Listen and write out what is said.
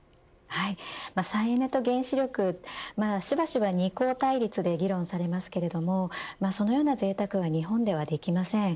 再エネと原子力しばしば二項対立で議論されますけどもそのようなぜいたくは日本ではできません。